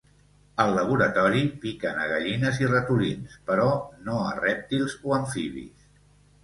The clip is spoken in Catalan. Al laboratori, piquen a gallines i ratolins però no a rèptils o amfibis.